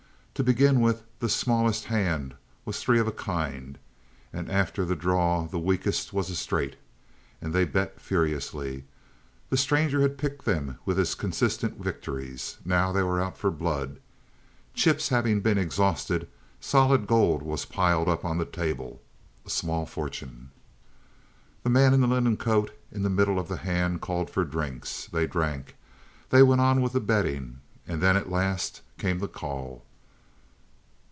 To begin with the smallest hand was three of a kind; and after the draw the weakest was a straight. And they bet furiously. The stranger had piqued them with his consistent victories. Now they were out for blood. Chips having been exhausted, solid gold was piled up on the table a small fortune! The man in the linen coat, in the middle of the hand, called for drinks. They drank. They went on with the betting. And then at last came the call.